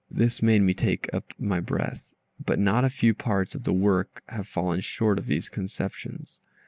This made me take up my brush, but not a few parts of the work have fallen short of those conceptions.